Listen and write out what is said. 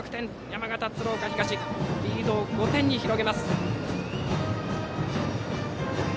山形・鶴岡東リードを５点に広げます。